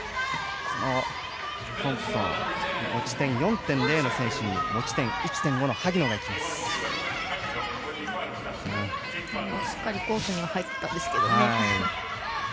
トンプソン持ち点４．０の選手に持ち点１．５の萩野がいきました。